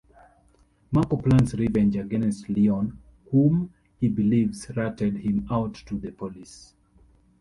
Marco plans revenge against Leon, whom he believes ratted him out to the police.